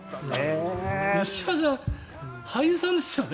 満島さんって俳優さんですよね？